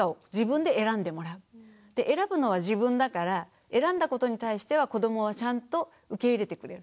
選ぶのは自分だから選んだことに対しては子どもはちゃんと受け入れてくれる。